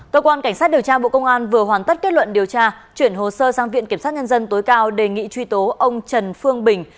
cơ quan cảnh sát điều tra bộ công an vừa hoàn tất kết luận điều tra chuyển hồ sơ sang viện kiểm sát nhân dân tối cao đề nghị truy tố ông trần phương bình